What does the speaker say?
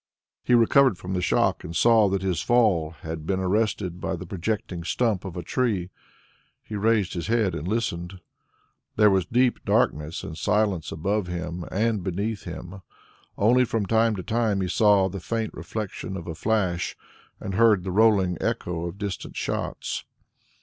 He recovered from the shock and saw that his fall had been arrested by the projecting stump of a tree. He raised his head and listened. There was deep darkness and silence above him and beneath him; only from time to time he saw the faint reflection of a flash and heard the rolling echo of distant shots.